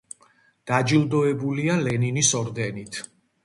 დაჯილდოვებულია ლენინის ორდენით.